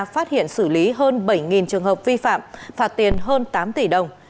phát hiện xử lý hơn bảy trường hợp vi phạm phạt tiền hơn tám tỷ đồng